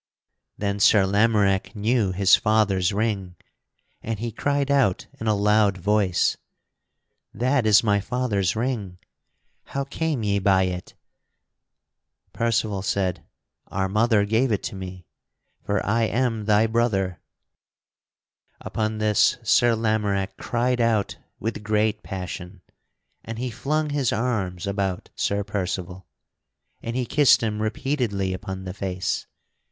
Then Sir Lamorack knew his father's ring and he cried out in a loud voice: "That is my father's ring; how came ye by it?" Percival said: "Our mother gave it to me, for I am thy brother." [Sidenote: Sir Percival declares himself to Sir Lamorack] Upon this Sir Lamorack cried out with great passion; and he flung his arms about Sir Percival, and he kissed him repeatedly upon the face.